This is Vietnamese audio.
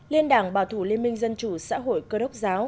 liên đảng bảo thủ liên minh dân chủ xã hội cơ đốc giáo